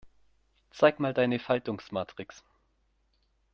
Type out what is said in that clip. Zeig mal deine Faltungsmatrix.